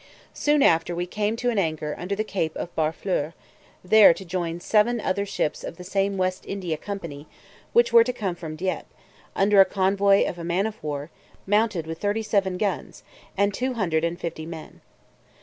Soon after we came to an anchor under the Cape of Barfleur, there to join seven other ships of the same West India company, which were to come from Dieppe, under convoy of a man of war, mounted with thirty seven guns, and two hundred and fifty men.